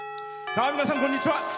さあ皆さんこんにちは。